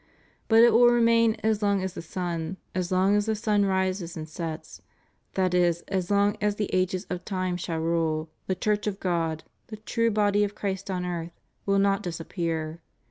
But it will remain as long as the sun — as long as the sun rises and sets ; that is, as long as the ages of time shall roll, the Church of God — the true body of Christ on earth — will not disappear."